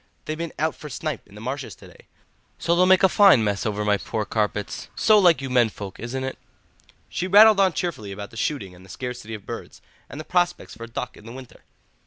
They've been out for snipe in the marshes to day, so they'll make a fine mess over my poor carpets. So like you men folk, isn't it?" She rattled on cheerfully about the shooting and the scarcity of birds, and the prospects for duck in the winter.